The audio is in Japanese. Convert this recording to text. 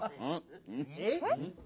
えっ？